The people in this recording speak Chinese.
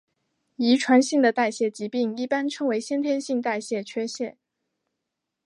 遗传性的代谢疾病一般称为先天性代谢缺陷。